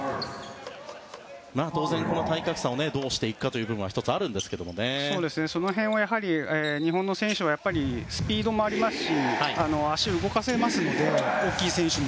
当然、体格差をどうしていくかという部分はやはり、その辺を日本の選手はスピードもありますし足を動かせますので大きい選手も。